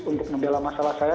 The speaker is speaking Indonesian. untuk membela masalah saya